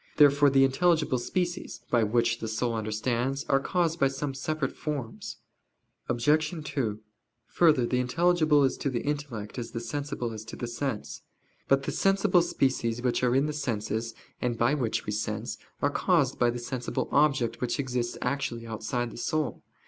Therefore the intelligible species, by which the soul understands, are caused by some separate forms. Obj. 2: Further, the intelligible is to the intellect, as the sensible is to the sense. But the sensible species which are in the senses, and by which we sense, are caused by the sensible object which exists actually outside the soul.